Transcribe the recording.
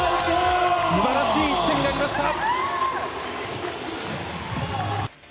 すばらしい１点になりました。